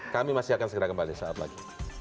kami masih akan segera kembali saat lagi